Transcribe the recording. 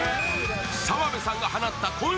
澤部さんが放ったこん